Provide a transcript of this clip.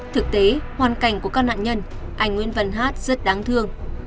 thực tế hoàn cảnh của các nạn nhân anh nguyên vân hát rất đáng thương